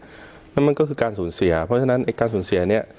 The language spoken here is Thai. นั่นมันก็คือการสูญเสียเพราะฉะนั้นการสูญเสียเนี่ย